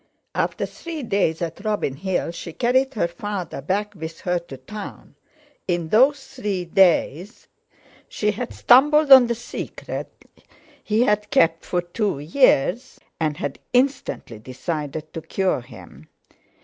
After three days at Robin Hill she carried her father back with her to Town. In those three days she had stumbled on the secret he had kept for two years, and had instantly decided to cure him.